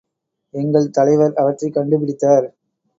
எங்கள் தலைவர் அவற்றைக் கண்டுபிடித்தார்.